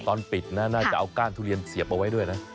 ตอนปิดนะน่าจะเอาก้านทุเรียนเสียบเอาไว้ด้วยนะ